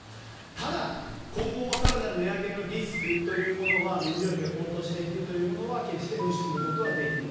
ただ、今後も更なる値上げのリスクは燃料費が高騰していくというのは決して無視することができない。